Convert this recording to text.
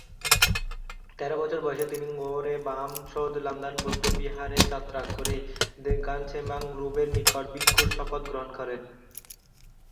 তেরো বছর বয়সে তিনি ঙ্গোর-এ-বাম-ছোস-ল্দান বৌদ্ধবিহারে যাত্রা করে দ্কোন-ম্ছোগ-ল্হুন-গ্রুবের নিকট ভিক্ষুর শপথ গ্রহণ করেন।